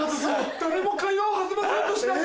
誰も会話を弾ませようとしない。